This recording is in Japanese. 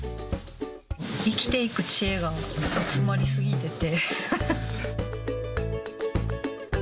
生きていく知恵が詰まり過ぎてて。